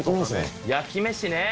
焼き飯ね。